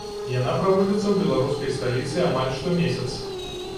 Яна праводзіцца ў беларускай сталіцы амаль штомесяц.